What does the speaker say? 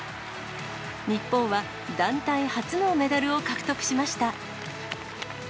日本は団体初のメダルを獲得しました。